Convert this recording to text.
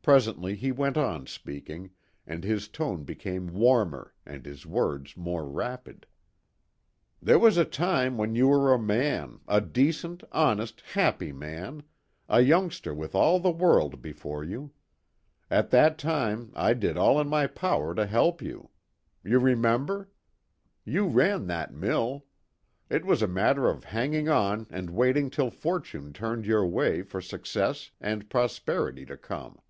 Presently he went on speaking, and his tone became warmer, and his words more rapid. "There was a time when you were a man, a decent, honest, happy man; a youngster with all the world before you. At that time I did all in my power to help you. You remember? You ran that mill. It was a matter of hanging on and waiting till fortune turned your way for success and prosperity to come.